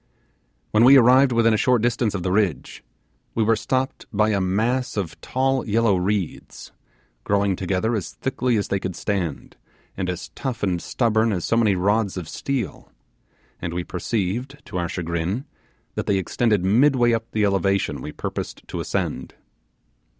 When we arrived within a short distance of the ridge, we were stopped by a mass of tall yellow reeds, growing together as thickly as they could stand, and as tough and stubborn as so many rods of steel; and we perceived, to our chagrin, that they extended midway up the elevation we proposed to ascend.